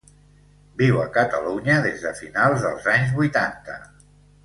Viu a Catalunya des de finals dels anys vuitanta.